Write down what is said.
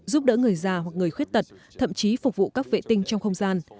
giúp đỡ người già hoặc người khuyết tật thậm chí phục vụ các vệ tinh trong không gian